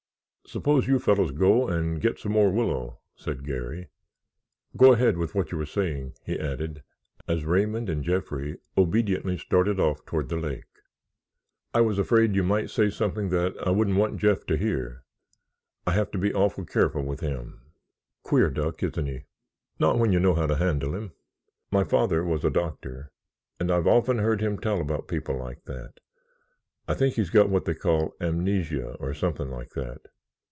"Suppose you fellows go and get some more willow," said Garry. "Go ahead with what you were saying," he added, as Raymond and Jeffrey obediently started off toward the lake. "I was afraid you might say something that I wouldn't want Jeff to hear. I have to be awful careful with him." "Queer duck, isn't he!" "Not when you know how to handle him. My father was a doctor and I've often heard him tell about people like that. I think he's got what they call amnesia or something like that.